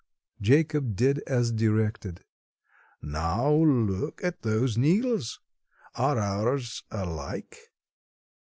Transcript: Jacob did as directed. "Now look at those needles. Are ours alike?"